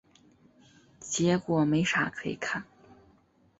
结果没啥可以看